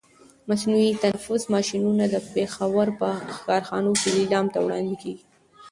مصنوعي تنفس ماشینونه د پښاور په کارخانو کې لیلام ته وړاندې کېږي.